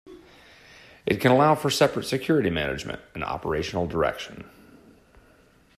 It can allow for separate security management and operational direction.